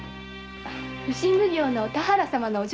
普請奉行の田原様のお嬢さんです。